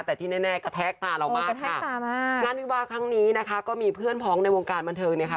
แต่ที่แน่กระแทกตาเรามากค่ะตามากงานวิวาครั้งนี้นะคะก็มีเพื่อนพ้องในวงการบันเทิงเนี่ยค่ะ